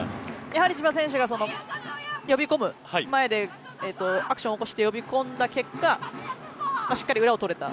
やはり千葉選手が呼び込む前でアクションを起こして呼び込んだ結果しっかり裏を取れた。